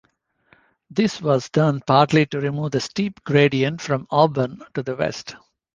This was done partly to remove the steep gradient from Auburn, to the west.